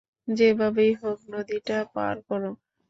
যেভাবেই হোক, নদীটা পার কর।